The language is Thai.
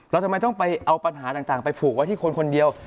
ทำไมต้องไปเอาปัญหาต่างไปผูกไว้ที่คนคนเดียว